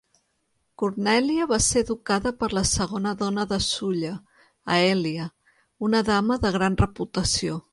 Cornelia va ser educada per la segona dona de Sulla, Aelia, una dama de gran reputació.